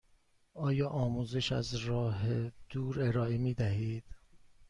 آیا آموزش از راه دور ارائه می دهید؟